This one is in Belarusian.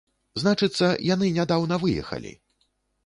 Значыцца, яны нядаўна выехалі!